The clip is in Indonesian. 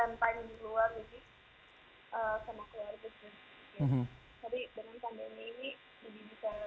apa yang telah kita lakukan